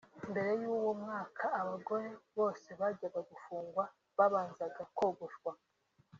Mbere y’uwo mwaka abagore bose bajyaga gufungwa babanzaga kogoshwa